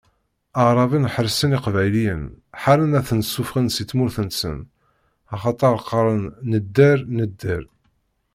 Aɛraben ḥeṛsen Iqbayliyen, ḥaren ad ten-ssufɣen si tmurt-nsen, axaṭer qqaren: Nedder, nedder!